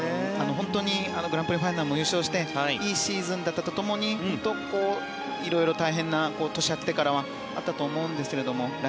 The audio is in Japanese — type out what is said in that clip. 本当にグランプリファイナルも優勝していいシーズンだったとともに本当に色々大変な年が明けてからはあったと思うんですけど来